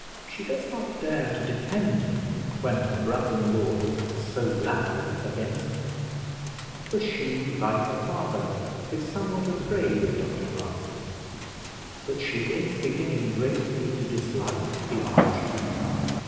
She does not dare to defend him when her brother in law is so loud against him; for she, like her father, is somewhat afraid of Dr Grantly; but she is beginning greatly to dislike the archdeacon.